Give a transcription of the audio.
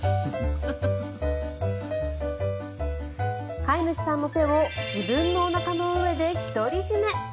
飼い主さんの手を自分のおなかの上で独り占め。